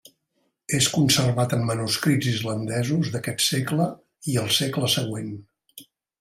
És conservat en manuscrits islandesos d'aquest segle i el segle següent.